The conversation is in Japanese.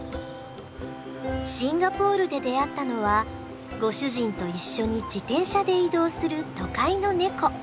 シンガポールで出会ったのはご主人と一緒に自転車で移動する都会のネコ。